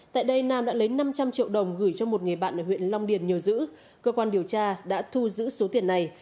tại đây nam đã lấy năm trăm linh triệu đồng gửi cho một người bạn ở huyện long điền nhờ giữ cơ quan điều tra đã thu giữ số tiền này